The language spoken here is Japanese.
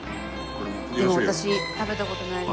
でも私食べた事ないので。